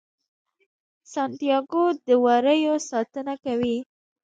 سانتیاګو د وریو ساتنه کوي.